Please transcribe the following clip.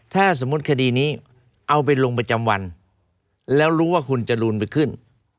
ถ้าสมมุติคดีนี้เอาไปลงประจำวันแล้วรู้ว่าคุณจรูนไปขึ้น